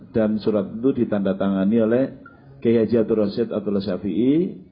dan surat itu ditanda tangani oleh g h atur roshid atul shafi'i